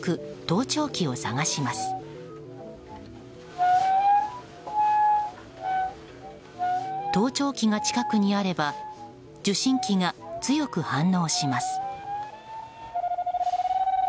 盗聴器が近くにあれば受信機が強く反応します。